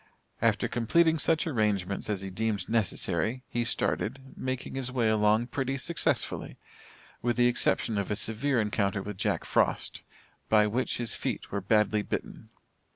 After completing such arrangements as he deemed necessary, he started, making his way along pretty successfully, with the exception of a severe encounter with Jack Frost, by which his feet were badly bitten.